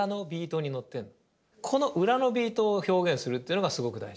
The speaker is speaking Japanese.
この裏のビートを表現するっていうのがすごく大事。